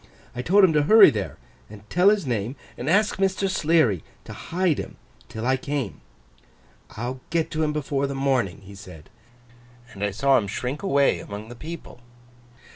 I told him to hurry there, and tell his name, and ask Mr. Sleary to hide him till I came. "I'll get to him before the morning," he said. And I saw him shrink away among the people.